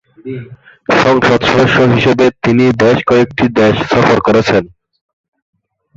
সংসদ সদস্য হিসাবে তিনি বেশ কয়েকটি দেশ সফর করেছেন।